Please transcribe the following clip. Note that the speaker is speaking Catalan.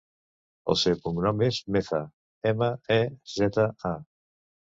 El seu cognom és Meza: ema, e, zeta, a.